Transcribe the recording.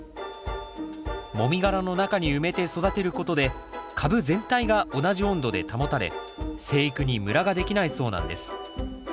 もみ殻の中に埋めて育てることで株全体が同じ温度で保たれ生育にムラができないそうなんです。